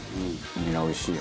ニラおいしいよね」